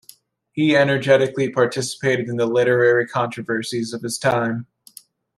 He energetically participated in the literary controversies of his time.